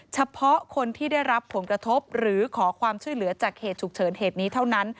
เฉพาะคนที่ได้รับผลกระทบหรือขอความช่วยเหลือจากเหตุฉุกเฉินเหตุนี้เท่านั้น